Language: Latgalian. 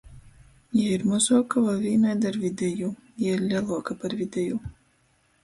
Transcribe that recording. Jei ir mozuoka voi vīnaida ar videjū. Jei ir leluoka par videjū.